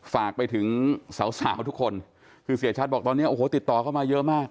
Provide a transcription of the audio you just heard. ฝากไปถึงสาวสาวทุกคนคือเสียชัดบอกตอนนี้โอ้โหติดต่อเข้ามาเยอะมาก